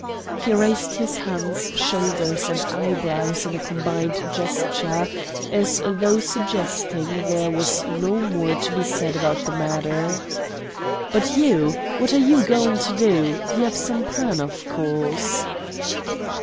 He raised his hands, shoulders, and eyebrows in a combined gesture, as though suggesting there was no more to be said about the matter. "But you, what are you going to do? You have some plan, of course?"